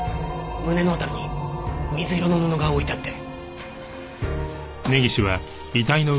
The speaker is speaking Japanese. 胸の辺りに水色の布が置いてあって。